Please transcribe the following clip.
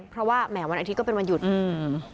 เพราะว่าแหมวันอาทิตย์ก็เป็นวันหยุดอืม